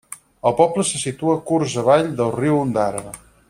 El poble se situa curs avall del riu Ondara.